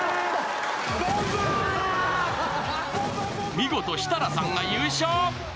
見事、設楽さんが優勝。